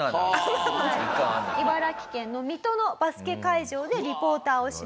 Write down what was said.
茨城県の水戸のバスケ会場でリポーターをします。